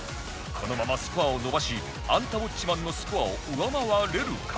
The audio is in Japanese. このままスコアを伸ばし『アンタウォッチマン！』のスコアを上回れるか？